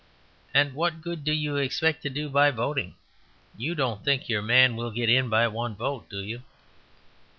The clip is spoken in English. And what good do you expect to do by voting? You don't think your man will get in by one vote, do you?"